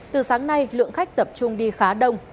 từ sáng nay lượng khách tập trung đi khá đông